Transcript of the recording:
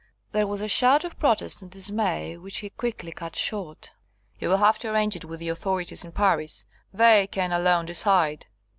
There was a shout of protest and dismay, which he quickly cut short. "You will have to arrange it with the authorities in Paris; they can alone decide.